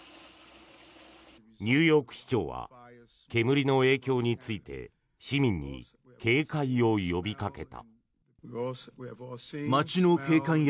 ニューヨーク市長は煙の影響について市民に警戒を呼びかけた。